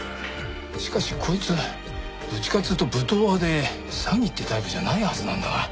しかしこいつどっちかっつうと武闘派で詐欺ってタイプじゃないはずなんだが。